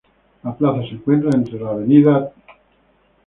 La plaza se encuentra entre la Av.